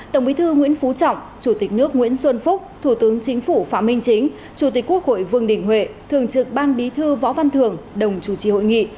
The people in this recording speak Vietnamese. tổng bí thư nguyễn phú trọng chủ tịch nước nguyễn xuân phúc thủ tướng chính phủ phạm minh chính chủ tịch quốc hội vương đình huệ thường trực ban bí thư võ văn thường đồng chủ trì hội nghị